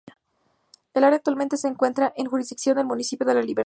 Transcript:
El área actualmente se encuentra en jurisdicción del municipio de La Libertad.